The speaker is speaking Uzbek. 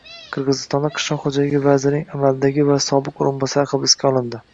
Qirg‘izistonda qishloq xo‘jaligi vazirining amaldagi va sobiq o‘rinbosarlari hibsga olindi